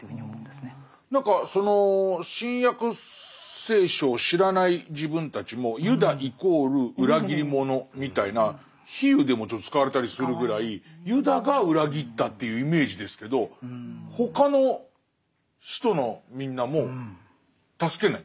何かその「新約聖書」を知らない自分たちもユダイコール裏切り者みたいな比喩でもちょっと使われたりするぐらいユダが裏切ったというイメージですけど他の使徒のみんなも助けない？